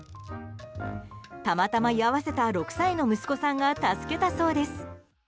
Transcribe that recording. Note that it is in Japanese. たまたま居合わせた６歳の息子さんが助けたそうです。